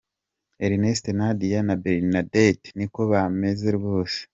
Ernest , nadia, na Bernadette niko bameze rwose.